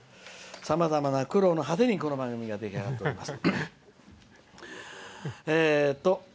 さまざまな苦労の果てにこの番組が出来上がっております。